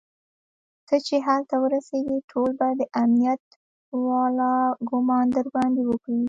ته چې هلته ورسېږي ټول به د امنيت والا ګومان درباندې وکړي.